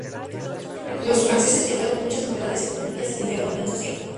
Los franceses llevaron muchas novedades económicas y de orden social.